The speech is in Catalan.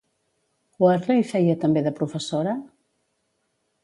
Wehrle hi feia també de professora?